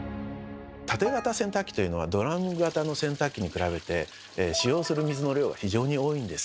タテ型洗濯機というのはドラム型の洗濯機に比べて使用する水の量が非常に多いんです。